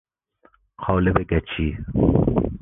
قالب گچی